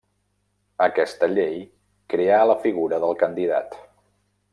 Aquesta llei creà la figura del candidat.